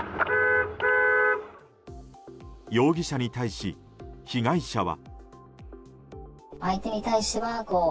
容疑者に対し、被害者は。